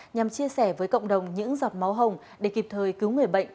nhằm chia sẻ với cộng đồng những giọt máu hồng để kịp thời cứu người bệnh